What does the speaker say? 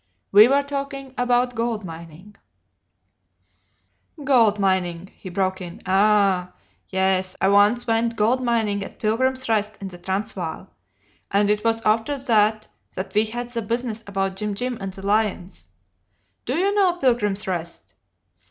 We were talking about gold mining "Gold mining!" he broke in; "ah! yes, I once went gold mining at Pilgrims' Rest in the Transvaal, and it was after that that we had the business about Jim Jim and the lions. Do you know Pilgrim's Rest?